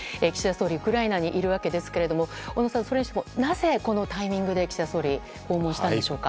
総理ウクライナにいるわけですが小野さん、それにしてもなぜこのタイミングで岸田総理は訪問したんでしょうか。